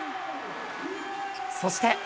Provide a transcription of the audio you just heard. そして。